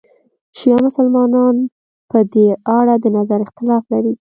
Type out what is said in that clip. شیعه مسلمانان په دې اړه د نظر اختلاف لري.